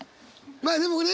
まあでもね